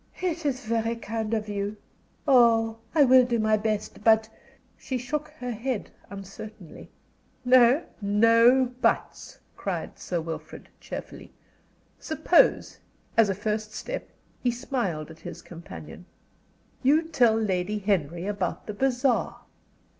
"It is very kind of you. Oh, I will do my best. But " She shook her head uncertainly. "No no 'buts,'" cried Sir Wilfrid, cheerfully. "Suppose, as a first step," he smiled at his companion, "you tell Lady Henry about the bazaar?"